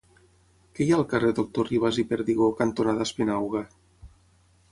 Què hi ha al carrer Doctor Ribas i Perdigó cantonada Espinauga?